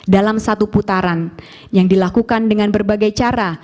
dalam satu putaran yang dilakukan dengan berbagai cara